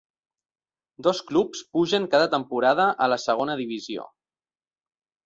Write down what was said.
Dos clubs pugen cada temporada a la segona divisió.